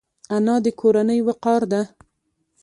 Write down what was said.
انا د کورنۍ وقار ده